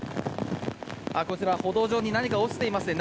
こちら、歩道上に何か落ちていますね。